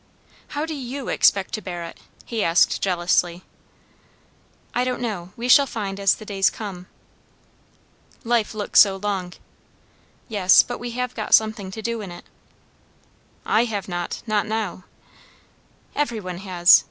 "How do you expect to bear it?" he asked jealously. "I don't know. We shall find as the days come." "Life looks so long!" "Yes. But we have got something to do in it." "I have not. Not now." "Every one has.